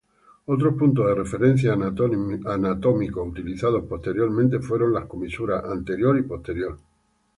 Otros puntos de referencia anatómicos utilizados posteriormente fueron las comisuras anterior y posterior.